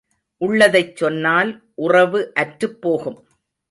உள்ளதைச் சொன்னால் உறவு அற்றுப் போகும்.